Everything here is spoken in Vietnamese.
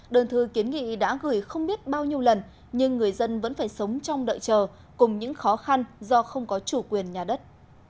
đơn thư kiến nghị đã gửi không biết bao nhiêu lần nhưng người dân vẫn phải sống trong đợi chờ cùng những khó khăn do không có chủ quyền nhà đất